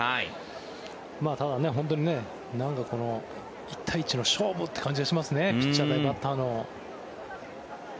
ただ、本当にこの１対１の勝負という感じがしますねピッチャー対バッターの。